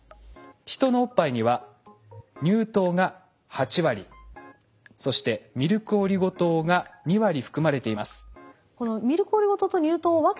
ヒトのおっぱいには乳糖が８割そしてミルクオリゴ糖が２割含まれています。